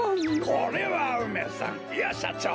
これは梅さんいやしゃちょう！